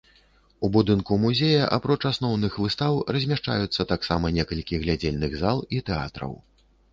У будынку музея, апроч асноўных выстаў, размяшчаюцца таксама некалькі глядзельных зал і тэатраў.